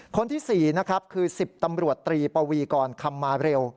คนที่๔นะครับคือ๑๐ตำรวจตรีปวีกรคำมาเร็ว